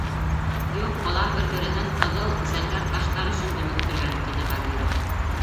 — Юҡ, былар бер-береһен ҡыҙыл, зәңгәр таштар өсөн дөмөктөргән, — тине Багира.